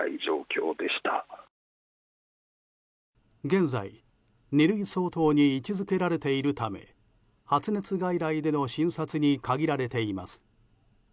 現在、二類相当に位置づけられているため発熱外来での診察に限られています。